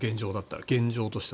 現状としては。